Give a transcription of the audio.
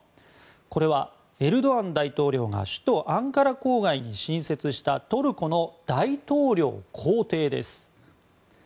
これはエルドアン大統領が首都アンカラ郊外に新設したトルコの大統領公邸です。